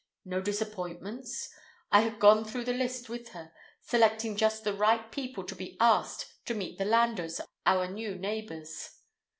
No disappointments? I had gone through the list with her, selecting just the right people to be asked to meet the Landors, our new neighbors.